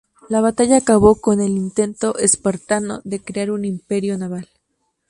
La batalla acabó con el intento espartano de crear un imperio naval.